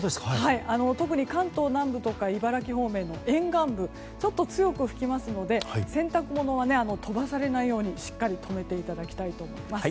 特に関東南部とか、茨城方面の沿岸部ちょっと強く吹きますので洗濯物は飛ばされないようにしっかり留めていただきたいと思います。